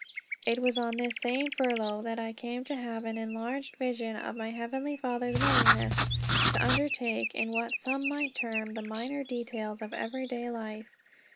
It was on this same furlough that I came to have an enlarged vision of my Heavenly Father's willingness to undertake in what some might term the minor details of everyday life.